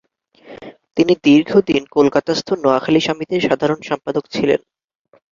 তিনি দীর্ঘদিন কলকাতাস্থ নোয়াখালী সমিতির সাধারণ সম্পাদক পদে ছিলেন।